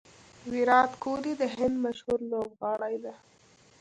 ویرات کهولي د هند مشهوره لوبغاړی دئ.